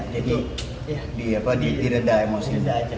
jadi direndah emosi